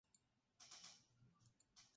以货到付款方式